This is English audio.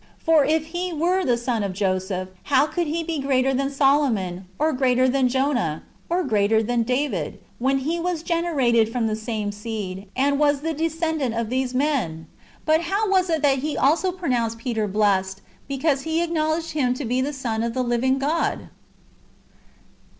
For if He were the son of Joseph, how could He be greater than Solomon, or greater than Jonah,* or greater than David,'' when He Avas generated from the same seed, and was a descendant of these men ? And how was it that He also pronounced Peter blessed, because he acknowledo; ed Him to be the Son of the livins^ God